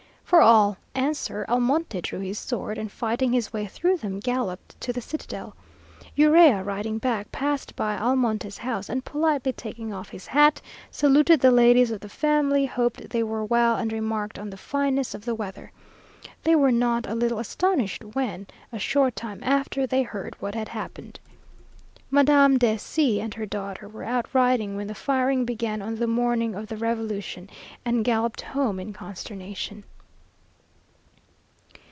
For all answer, Almonte drew his sword, and fighting his way through them, galloped to the citadel. Urrea, riding back, passed by Almonte's house, and politely taking off his hat, saluted the ladies of the family, hoped they were well, and remarked on the fineness of the weather. They were not a little astonished when, a short time after, they heard what had happened. Madame de C and her daughter were out riding when the firing began on the morning of the revolution, and galloped home in consternation.